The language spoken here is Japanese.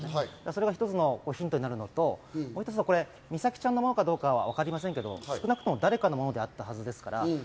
それが一つのヒントになるのと、もう一つ、美咲ちゃんのものかどうかわかりませんけど、少なくとも誰かのものであったはずですから。